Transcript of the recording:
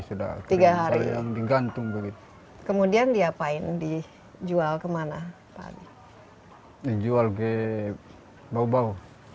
sudah tiga hari yang digantung begitu kemudian diapain dijual ke mana tadi di jual ke bau bau